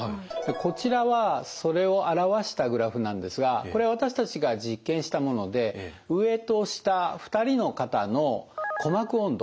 こちらはそれを表したグラフなんですがこれ私たちが実験したもので上と下２人の方の鼓膜温度。